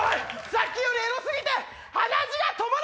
さっきよりエロ過ぎて鼻血が止まらない！